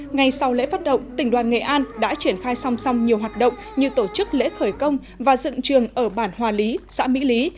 ngay sau lễ phát động tỉnh đoàn nghệ an đã triển khai song song nhiều hoạt động như tổ chức lễ khởi công và dựng trường ở bản hòa lý xã mỹ lý